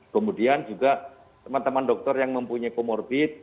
kemudian juga teman teman dokter yang mempunyai comorbid